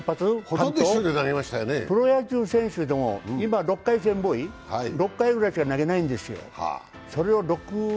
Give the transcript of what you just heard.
プロ野球選手でも、今、６回戦ボーイ、６回ぐらいしか投げないんですよ。